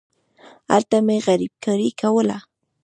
هلته مې غريبکاري کوله.